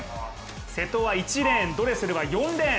瀬戸は１レーン、ドレセルは４レーン。